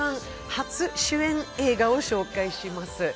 初主演映画を紹介します。